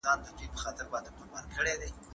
د هېواد بهرنیو پالیسي د خلګو باور نه لري.